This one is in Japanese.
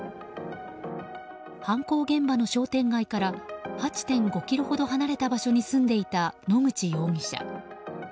犯行現場の商店街から８．５ｋｍほど離れた場所に住んでいた野口容疑者。